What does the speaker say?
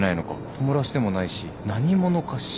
友達でもないし何者か知らないし。